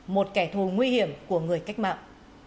một kẻ thù nguy hiểm của người khách mạng